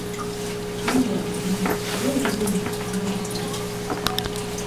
今度は逆に、黒い部分に注目してみる。